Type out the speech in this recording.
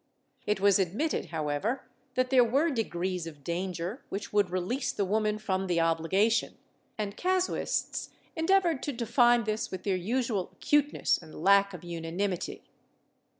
^ It was admitted, how^ever, that there were degrees of danger which would release the woman from the obligation, and casuists endeavored to define this with their usual acuteness and lack of unanimity.